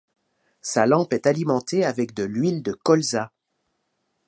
Sa lampe est alimentée avec de l'huile de colza.